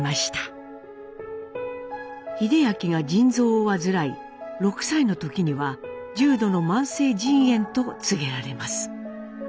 英明が腎臓を患い６歳の時には重度の慢性腎炎と告げられます。